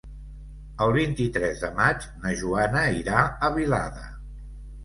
El vint-i-tres de maig na Joana irà a Vilada.